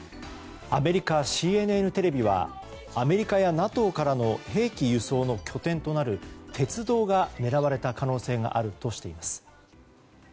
アメリカＣＮＮテレビはアメリカやＮＡＴＯからの兵器輸送の拠点となる鉄道が狙われた可能性があるとしています。